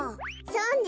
そうね。